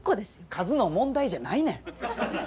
数の問題じゃないねん！